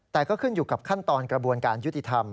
แต่ก็ขึ้นอยู่กับขั้นตอนกระบวนการยุติธรรม